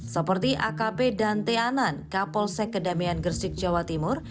seperti akp dan t anan kapolsek kedamaian gersik jawa timur